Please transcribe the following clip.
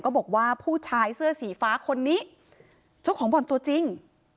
บอกว่าผู้ชายเสื้อสีฟ้าคนนี้เจ้าของบ่อนตัวจริง